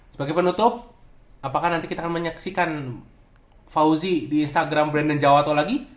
sebagai penutup apakah nanti kita akan menyaksikan fauzi di instagram brandon jawato lagi